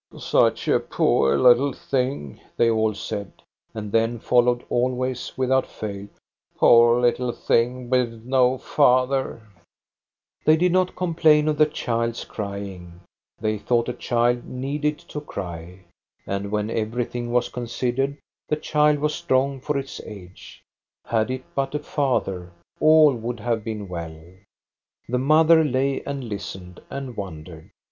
" Such a poor little thing," they all said, and then followed always, without fail :—" Poor little thing, with no father !" They did not complain of the child's crying : they thought a child needed to cry ; and, when everything was considered, the child was strong for its age ; had it but a father, all would have been well. 388 THE STORY OF GOSTA BERLING The mother lay and listened and wondered.